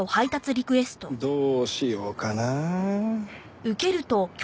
どうしようかな。